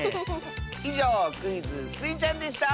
いじょうクイズ「スイちゃん」でした！